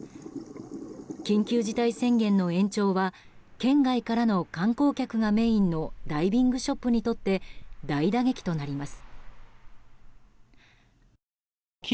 緊急事態宣言の延長は県外からの観光客がメインのダイビングショップにとって大打撃となります。